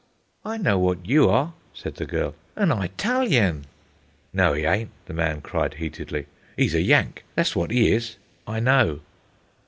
"I know wot you are," said the girl, "an Eyetalian." "No 'e ayn't," the man cried heatedly. "'E's a Yank, that's wot 'e is. I know."